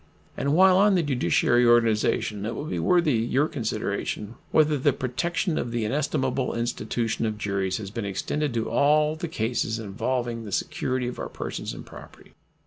And while on the judiciary organization it will be worthy your consideration whether the protection of the inestimable institution of juries has been extended to all the cases involving the security of our persons and property.